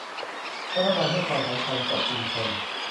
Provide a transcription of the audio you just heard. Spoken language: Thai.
รัฐบาลให้ความสำคัญกับชุมชน